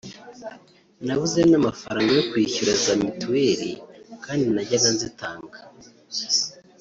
nabuze n’amafaranga yo kwishyura za Mitiweri kandi najyaga nzitanga